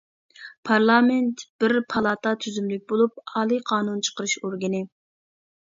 پارلامېنت بىر پالاتا تۈزۈملۈك بولۇپ، ئالىي قانۇن چىقىرىش ئورگىنى.